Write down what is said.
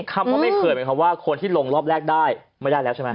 คำว่าไม่เคยหมายความว่าคนที่ลงรอบแรกได้ไม่ได้แล้วใช่ไหม